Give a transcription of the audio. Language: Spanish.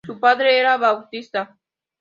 Su padre era Bautista.